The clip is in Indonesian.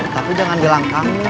tapi jangan bilang kamu